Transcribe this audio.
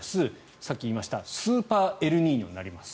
さっき言いましたスーパーエルニーニョになります。